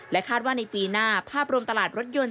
คาดว่าในปีหน้าภาพรวมตลาดรถยนต์